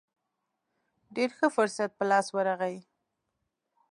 ډېر ښه فرصت په لاس ورغی.